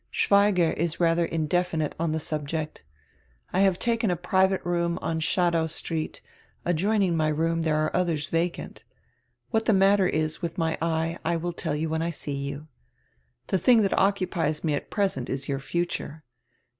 Schweigger is radier indefinite on die subject. I have taken a private room on Schadow St. Adjoining my room diere are odiers vacant. What die matter is with my eye I will tell you when I see you. The tiling diat occupies me at present is your future.